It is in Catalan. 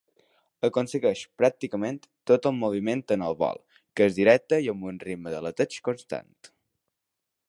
Aconsegueix pràcticament tot el moviment en el vol, que és directe i amb un ritme d'aleteig constant.